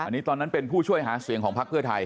อันนี้ตอนนั้นเป็นผู้ช่วยหาเสียงของพักเพื่อไทย